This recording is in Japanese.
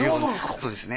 そうですね。